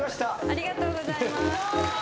ありがとうございます。